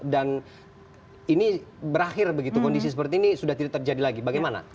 dan ini berakhir begitu kondisi seperti ini sudah tidak terjadi lagi bagaimana